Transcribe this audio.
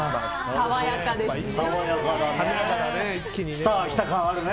爽やかですね。